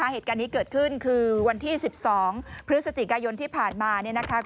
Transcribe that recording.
เหตุการณ์นี้เกิดขึ้นคือวันที่๑๒พฤศจิกายนที่ผ่านมาเนี่ยนะคะ